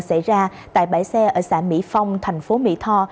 xảy ra tại bãi xe ở xã mỹ phong thành phố mỹ tho